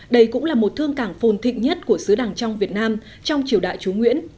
đây cũng là một thương cảng phồn thịnh nhất của xứ đàng trong việt nam trong triều đại chú nguyễn